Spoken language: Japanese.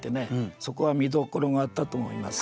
そこは見どころがあったと思います。